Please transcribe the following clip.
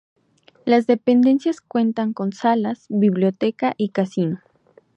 Las dependencias cuentan con salas, biblioteca y casino.